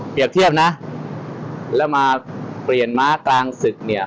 เทียบนะแล้วมาเปลี่ยนม้ากลางศึกเนี่ย